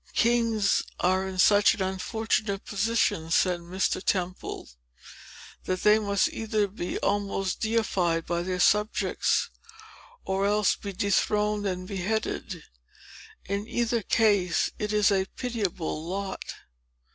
"Kings are in such an unfortunate position," said Mr. Temple, "that they must either be almost deified by their subjects, or else be dethroned and beheaded. In either case it is a pitiable lot."